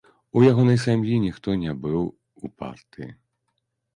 У ягонай сям'і ніхто не быў у партыі.